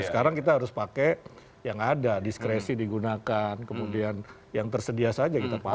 sekarang kita harus pakai yang ada diskresi digunakan kemudian yang tersedia saja kita pakai